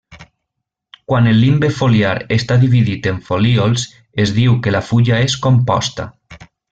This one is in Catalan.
Quan el limbe foliar està dividit en folíols es diu que la fulla és composta.